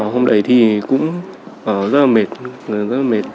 hôm đấy thì cũng rất là mệt rất là mệt